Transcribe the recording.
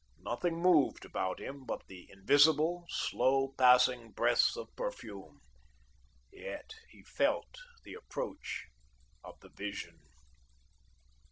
Nothing moved about him but the invisible, slow passing breaths of perfume; yet he felt the approach of the Vision.